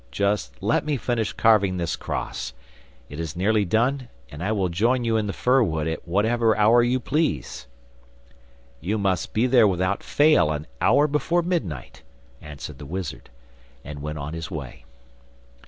Just let me finish carving this cross. It is nearly done, and I will join you in the fir wood at whatever hour you please.' 'You must be there without fail an hour before midnight,' answered the wizard, and went on his way.